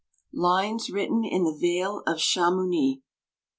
LINES WRITTEN IN THE VALE OF CHAMOUN1.